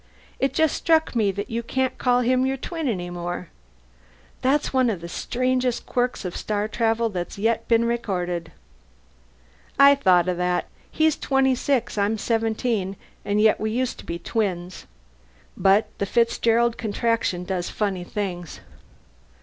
It just struck me that you can't call him your twin any more. That's one of the strangest quirks of star travel that's been recorded yet." "I thought of that. He's twenty six, I'm seventeen, and yet we used to be twins. But the Fitzgerald Contraction does funny things."